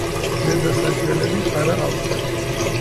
ზედა საჭრელები არა აქვთ.